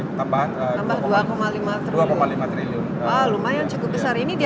ini diharapkan datang dari mana saja